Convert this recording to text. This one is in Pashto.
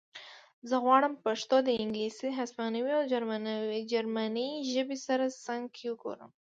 زه غواړم پښتو د انګلیسي هسپانوي او جرمنۍ ژبې سره څنګ کې وګورم